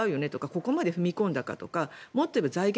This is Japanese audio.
ここまで踏み込んだかとかもっと言えば財源